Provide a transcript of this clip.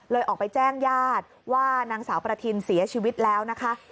ออกไปแจ้งญาติว่านางสาวประทินเสียชีวิตแล้วนะคะ